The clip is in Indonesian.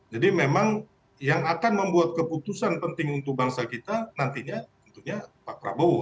jadi memang yang akan membuat keputusan penting untuk bangsa kita nantinya tentunya pak prabowo